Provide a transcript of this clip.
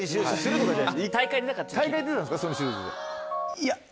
いや。